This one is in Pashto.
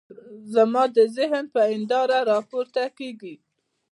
زما د ذهن پر هنداره را پورته کېږي.